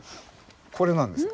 これなんです。